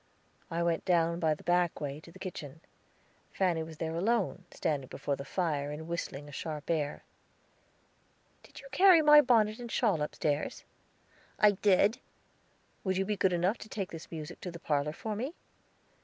I went down by the back way, to the kitchen; Fanny was there alone, standing before the fire, and whistling a sharp air. "Did you carry my bonnet and shawl upstairs?" "I did." "Will you be good enough to take this music to the parlor for me?"